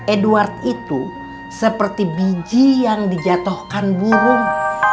edward itu seperti biji yang dijatuhkan burung